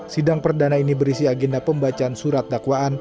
sidang perdana ini berisi agenda pembacaan surat dakwaan